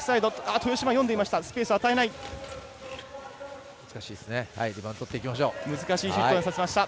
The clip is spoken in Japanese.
豊島が読んでいました。